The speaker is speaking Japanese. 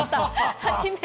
初めて。